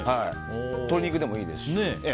鶏肉でもいいですし。